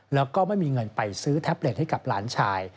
แล้วก็ไม่มีเงินไปซื้อแท็บเล็ตให้กับหลานชาย